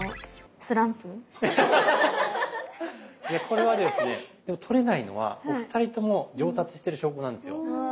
これはですね取れないのはお二人とも上達してる証拠なんですよ。